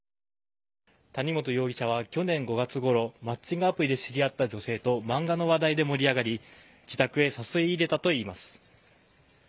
谷本容疑者は去年５月ごろマッチングアプリで知り合った女性と漫画の話題で盛り上がり自宅へ誘い入れたといいます。